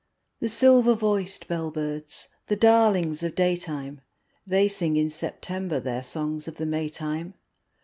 The silver voiced bell birds, the darlings of day time, They sing in September their songs of the May time.